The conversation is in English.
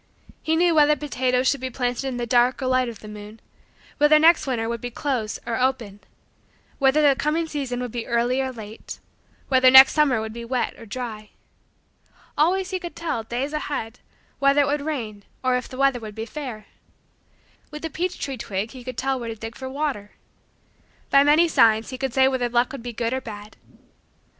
He knew whether potatoes should be planted in the dark or light of the moon: whether next winter would be "close" or "open": whether the coming season would be "early" or "late": whether next summer would be "wet" or "dry." Always he could tell, days ahead, whether it would rain or if the weather would be fair. With a peach tree twig he could tell where to dig for water. By many signs he could say whether luck would be good or bad.